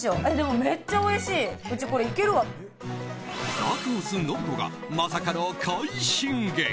ダークホース信子がまさかの快進撃。